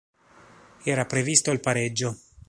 Era previsto il pareggio.